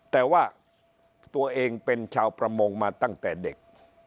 แต่ว่าตัวเองเป็นชาวประมงมาตั้งแต่เด็ก